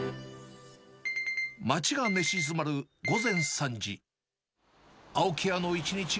町が寝静まる午前３時。